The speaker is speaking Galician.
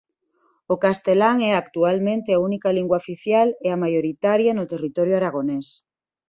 O castelán é actualmente a única lingua oficial e a maioritaria no territorio aragonés.